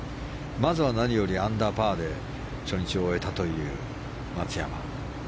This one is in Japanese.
まずは何よりアンダーパーで初日を終えたという松山。